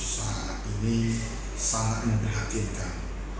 saat ini sangat mengerhatinkan